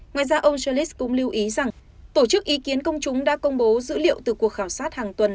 ngoài ra ông gellis cũng lưu ý rằng tổ chức ý kiến công chúng đã công bố dữ liệu từ cuộc khảo sát hàng tuần